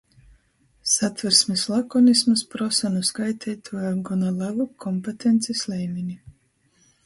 Satversmis lakonisms prosa nu skaiteituoja gona lelu kompetencis leimini